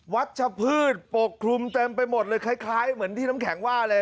ชัชพืชปกคลุมเต็มไปหมดเลยคล้ายเหมือนที่น้ำแข็งว่าเลย